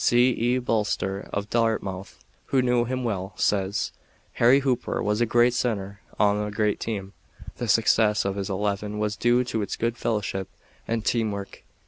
C. E. Bolser of Dartmouth, who knew him well, says: "Harry Hooper was a great center on a great team. The success of this eleven was due to its good fellowship and team work.